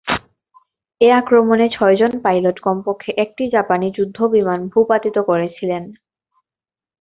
এ আক্রমণে ছয়জন পাইলট কমপক্ষে একটি জাপানী যুদ্ধ বিমান ভূপাতিত করেছিলেন।